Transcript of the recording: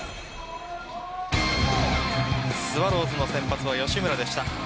スワローズの先発は吉村でした。